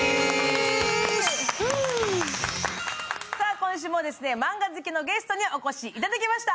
今週もマンガ好きのゲストにお越しいただきました。